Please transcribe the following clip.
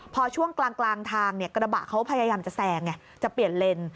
พอช่วงกลางทางกระบะเขาพยายามจะแซงไงจะเปลี่ยนเลน